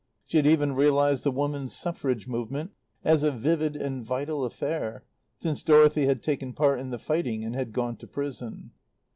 She had even realized the Woman's Suffrage movement as a vivid and vital affair, since Dorothy had taken part in the fighting and had gone to prison.